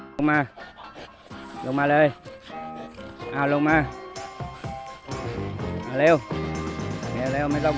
ลงมาลงมาเลยอ่าลงมาอ่าเร็วโอเคเร็วไม่ต้อง